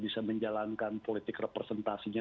bisa menjalankan politik representasinya